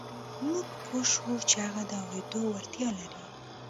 موږ پوه شوو چې هغه د اورېدو وړتيا لري.